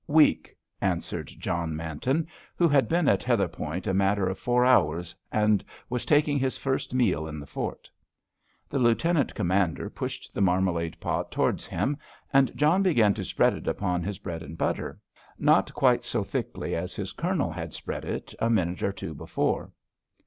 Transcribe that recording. "Weak," answered John Manton, who had been at Heatherpoint a matter of four hours, and was taking his first meal in the fort. The Lieutenant Commander pushed the marmalade pot towards him, and John began to spread it upon his bread and butter, not quite so thickly as his Colonel had spread it a minute or two before.